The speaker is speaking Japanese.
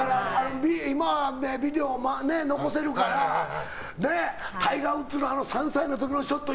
今ビデオ残せるからタイガー・ウッズの３歳の時のショット